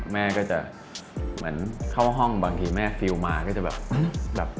แม่ก็จะเหมือนเข้าห้องบางทีแม่ฟิลมาก็จะแบบ